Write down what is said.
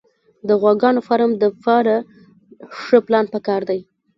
د غواګانو فارم دپاره ښه پلان پکار دی